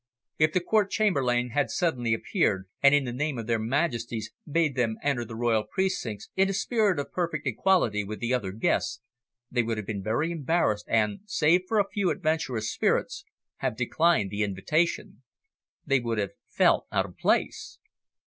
If the Court Chamberlain had suddenly appeared, and in the name of their Majesties, bade them enter the Royal precincts in a spirit of perfect equality with the other guests, they would have been very embarrassed and, save for a few adventurous spirits, have declined the invitation. They would have felt out of place.